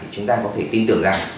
chúng ta có thể tin tưởng rằng